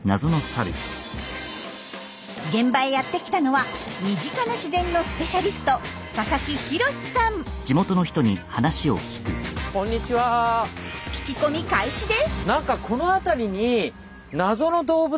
現場へやって来たのは身近な自然のスペシャリスト聞き込み開始です。